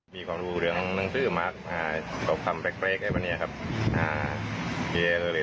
มีความรู้เรื่องหนังชื่อมากอ่ากับคำแปลกอะไรแบบเนี้ยครับอ่า